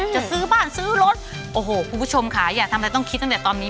จะซื้อบ้านซื้อรถโอ้โหคุณผู้ชมค่ะอย่าทำอะไรต้องคิดตั้งแต่ตอนนี้